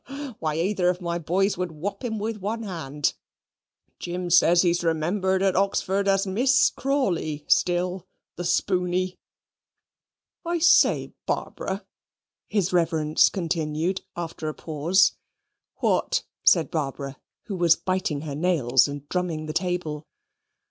Why, either of my boys would whop him with one hand. Jim says he's remembered at Oxford as Miss Crawley still the spooney. "I say, Barbara," his reverence continued, after a pause. "What?" said Barbara, who was biting her nails, and drumming the table.